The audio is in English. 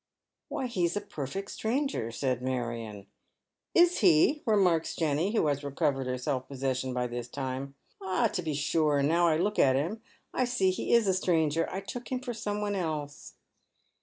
" Why, he's a perfect stranger," says Marion. " Is he ?" remarks Jenny, who has recovered her self posses sion by this time ;" ah, to be sure, now I look at him, I see he .g a stranger. I took him for someone else."